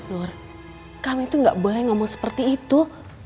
nur kami tuh gak boleh ngomong seperti itu